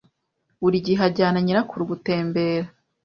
Buri gihe ajyana nyirakuru gutembera.